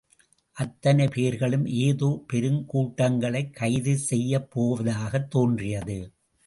அத்தனை பேர்களும் ஏதோ பெருங் கூட்டங்களைக் கைது செய்யப்போவதாகத் தோன்றியது.